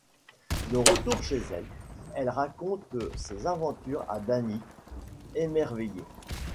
De retour chez elle, elle raconte ses aventures à Danny émerveillé.